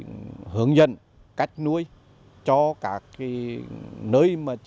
nhờ đó nghề nuôi ong lấy mật